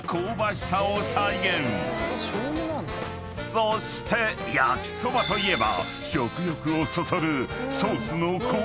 ［そして焼そばといえば食欲をそそる］